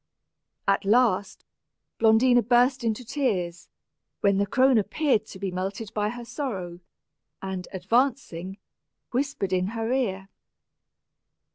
At last, Blondina burst into tears, when the crone appeared to be melted by her sorrow, and, advancing, whispered in her ear.